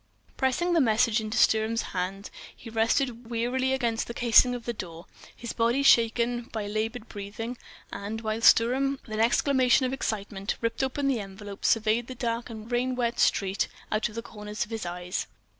Pressing the message into Sturm's hand, he rested wearily against the casing of the door, his body shaken by laboured breathing, and—while Sturm, with an exclamation of excitement, ripped open the envelope—surveyed the dark and rain wet street out of the corners of his eyes.